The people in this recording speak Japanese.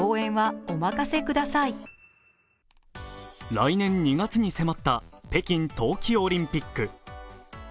来年２月に迫った北京冬季オリンピック。